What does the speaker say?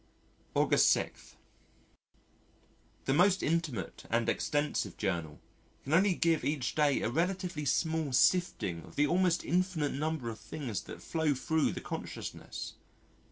August 6. The most intimate and extensive journal can only give each day a relatively small sifting of the almost infinite number of things that flow thro' the consciousness.